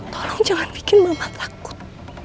tolong jangan bikin mama takut